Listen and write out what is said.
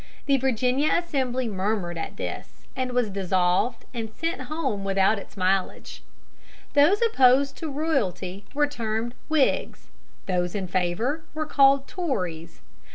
The Virginia Assembly murmured at this, and was dissolved and sent home without its mileage. [Illustration: BOSTON TEA PARTY, 1773.] Those opposed to royalty were termed Whigs, those in favor were called Tories.